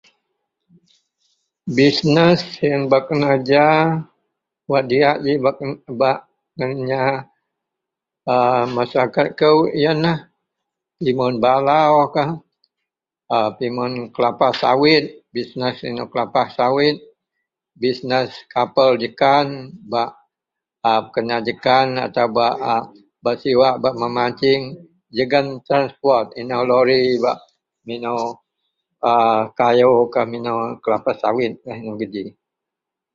Business bak kenereja wak diak ji ba kenereja dagen masyarakat kou ji pimun balau pimun kelapa sawit business kapal jekan bak a pekena jekan atau ba sewa a memancing jegam bak transport a ba lori minou kayu ke minou kelapa sawit ka geji.